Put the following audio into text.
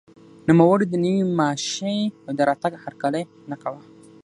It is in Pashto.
نوموړي د نوې ماشیۍ د راتګ هرکلی نه کاوه.